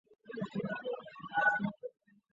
仓田蹄盖蕨为蹄盖蕨科蹄盖蕨属下的一个种。